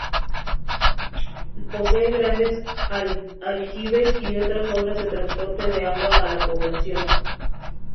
Posee grandes aljibes y otras obras de transporte de agua a la población.